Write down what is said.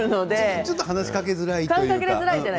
ちょっと話しかけづらいというか。